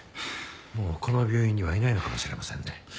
もうこの病院にはいないのかもしれませんね。